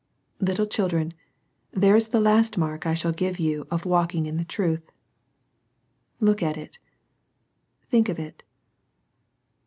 Little children, there is the last mark I shall give you of walking in truth. Look at it. Think of it.